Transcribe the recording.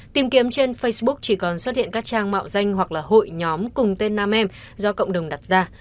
tìm kiếm trên facebook chỉ còn xuất hiện các trang mạo danh hoặc là hội nhóm cùng tên nam em do cộng đồng đặt ra